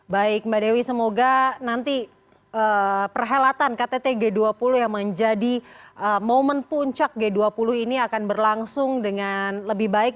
baik mbak dewi semoga nanti perhelatan ktt g dua puluh yang menjadi momen puncak g dua puluh ini akan berlangsung dengan lebih baik